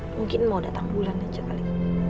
mungkin mau datang bulan aja kali